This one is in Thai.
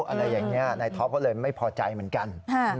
อะไรอย่างนี้นายท็อปก็เลยไม่พอใจเหมือนกัน